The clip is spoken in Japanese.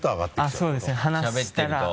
そうですね話したら。